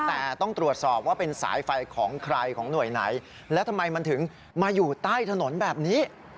แต่ต้องตรวจสอบว่าเป็นสายไฟของใครของหน่วยไหนแล้วทำไมมันถึงมาอยู่ใต้ถนนแบบนี้